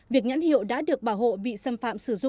việc nhãn hiệu đã được bảo hộ bị xâm phạm sử dụng tràn lan